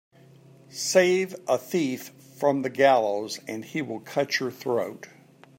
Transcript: Save a thief from the gallows and he will cut your throat.